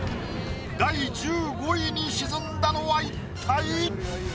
第１５位に沈んだのは一体？